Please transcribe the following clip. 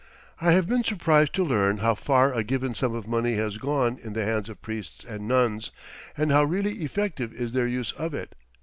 I have been surprised to learn how far a given sum of money has gone in the hands of priests and nuns, and how really effective is their use of it.